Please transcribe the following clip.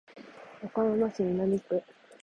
岡山市南区